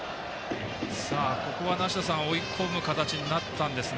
梨田さん追い込む形になったんですが。